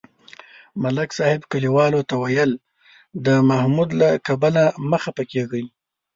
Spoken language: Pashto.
ملک صاحب کلیوالو ته ویل: د محمود له کبله مه خپه کېږئ.